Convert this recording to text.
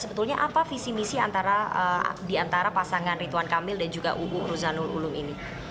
sebetulnya apa visi misi diantara pasangan ritwan kamil dan juga uu ruzanul ulum ini